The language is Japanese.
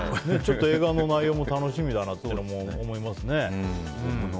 映画の内容も楽しみだと思いますね。